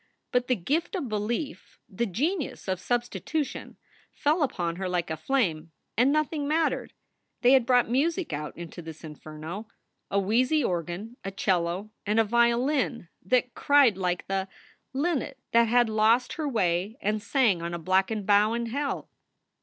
But the gift of belief, the genius of substitution, fell upon her like a flame, and nothing mattered. They had brought music out into this inferno a wheezy organ, a cello, and a violin that cried like the " linnet that had lost her way and sang on a blackened bough in hell."